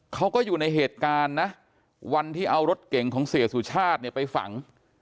เขาก็อยู่ในเหตุการณ์นะวันที่เอารถเก่งของเศรษฐ์สู่ชาติไปฝัง